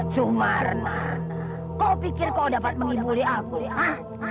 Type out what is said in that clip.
cuma kau pikir kau dapat mengibuli aku ya